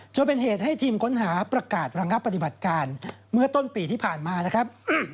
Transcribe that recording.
จนเป็นเหตุให้ทีมค้นหาประกาศระงับปฏิบัติการเมื่อต้นปีที่ผ่านมานะครับ